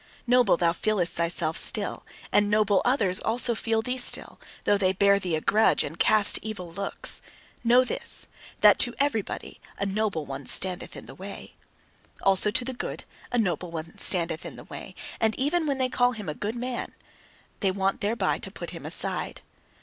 Noble thou feelest thyself still, and noble others also feel thee still, though they bear thee a grudge and cast evil looks. Know this, that to everybody a noble one standeth in the way. Also to the good, a noble one standeth in the way: and even when they call him a good man, they want thereby to put him aside.